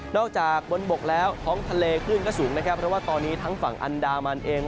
นอกจากบนบกแล้วทองทะเลขึ้นก็สูงเพราะว่าตอนนี้ทั้งฝั่งอันดามันเอง